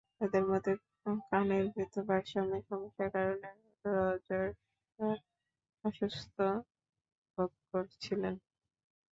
তাঁদের মতে, কানের ভেতরের ভারসাম্যের সমস্যার কারণেই রজার্স অসুস্থ বোধ করছিলেন।